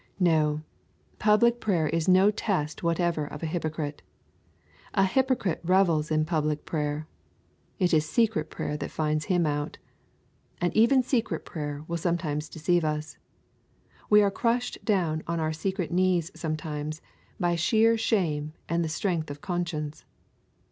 No; public prayer is no test whatever of a hypocrite. A hypocrite revels in public prayer. It is secret prayer that finds him out. And even secret prayer will sometimes deceive us. We are crushed down on our secret knees sometimes, by sheer shame and the strength of conscience.